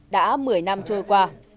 đã một mươi năm trôi qua